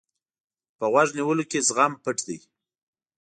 په غوږ نیولو کې زغم پټ دی.